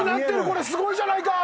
これすごいじゃないか。